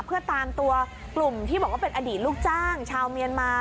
เพื่อตามตัวกลุ่มที่บอกว่าเป็นอดีตลูกจ้างชาวเมียนมา